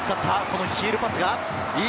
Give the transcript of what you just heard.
ヒールパスが。